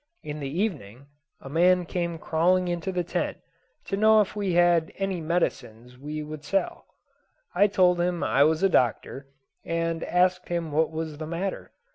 In the evening a man came crawling into the tent to know if we had any medicines we would sell. I told him I was a doctor, and asked him what was the matter.